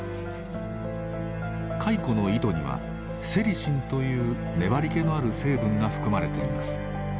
蚕の糸にはセリシンという粘りけのある成分が含まれています。